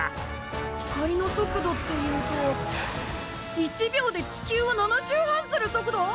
光の速度っていうと１秒で地球を７周半する速度！？